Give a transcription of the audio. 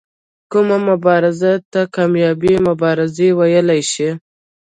کومو مبارزو ته کامیابه مبارزې وویل شي.